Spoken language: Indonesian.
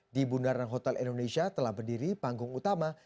di bundaran hotel indonesia telah berdiri panggung utama